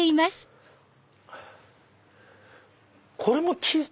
これも木？